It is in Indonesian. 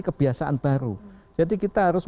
kebiasaan baru jadi kita harus